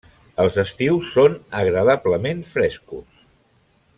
Els estius són agradablement frescos.